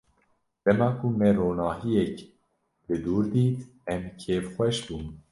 Dema ku me ronahiyek li dûr dît, em kêfxweş bûn.